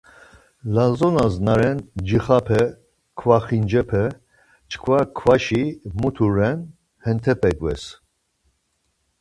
Lazonas na ren cixape, kvaxincepe çkva kvaşi mutu ren hentepek ves.